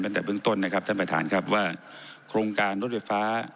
ตั้งแต่เบื้องต้นนะครับท่านประธานครับว่าโครงการรถไฟฟ้า